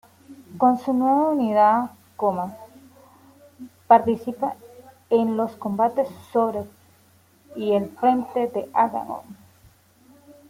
Con su nueva unidad, Comas participa en los combates sobre el frente de Aragón.